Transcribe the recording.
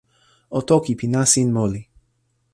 o toki pi nasin moli.